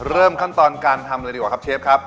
เริ่มขั้นตอนการทำเลยดีกว่าครับเชฟครับ